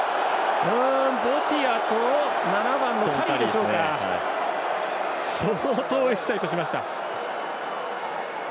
ボティアと７番のカリー相当、エキサイトしました。